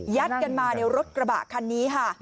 กันมาในรถกระบะคันนี้ค่ะ